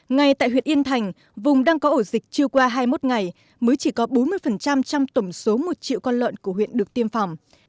ngay tại huyện yên thành vùng đang có ổ dịch chưa qua hai mươi một ngày mới chỉ có bốn mươi trong tổng số một triệu con lợn của huyện được tiêm phòng